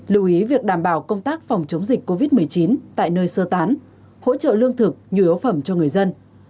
lưu ý việc đảm bảo công tác phòng chống dịch covid một mươi chín tại nơi sơ tán hỗ trợ lương thực nhu yếu phẩm cho người dân